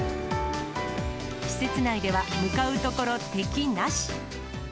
施設内では向かうところ敵なし。